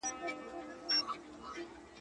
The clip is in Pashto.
په چا دي ورلېږلي جهاني د قلم اوښکي.